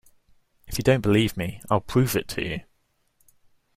If you don't believe me, I'll prove it to you!